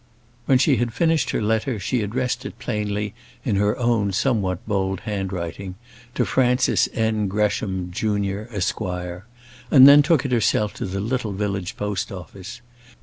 When she had finished her letter, she addressed it plainly, in her own somewhat bold handwriting, to Francis N. Gresham, Jun., Esq., and then took it herself to the little village post office.